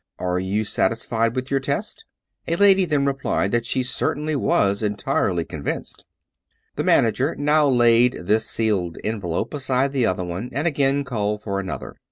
Are you sat isfied with your test ?" A lady then replied that she cer tainly was entirely convinced. The manager now laid this sealed envelope beside the other one and again called for another.